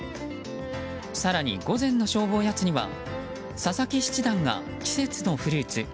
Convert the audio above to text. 更に午前の勝負おやつには佐々木七段が季節のフルーツ。